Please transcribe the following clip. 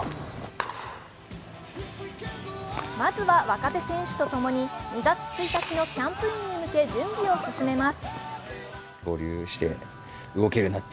まずは若手選手とともに２月１日のキャンプインに向け準備を進めます。